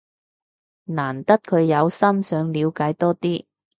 難得佢有心想了解多啲